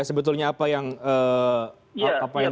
sebetulnya apa yang